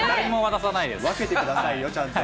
分けてくださいよ、ちゃんと。